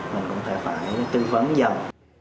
mình cũng sẽ phải tư vấn dần